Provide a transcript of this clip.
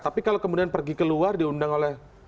tapi kalau kemudian pergi ke luar diundang oleh